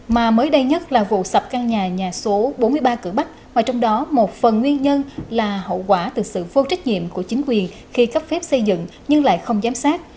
mà mới đây nhất là vụ sập căn nhà nhà số bốn mươi ba cửa bắc và trong đó một phần nguyên nhân là hậu quả từ sự vô trách nhiệm của chính quyền khi cấp phép xây dựng nhưng lại không giám sát